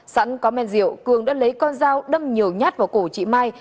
sẵn có men rượu cường đã lấy con dao đâm nhiều nhát vào cổ chị mai